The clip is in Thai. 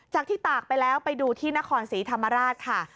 จากที่ตากไปแล้วไปดูที่นครศรีธรรมราชค่ะ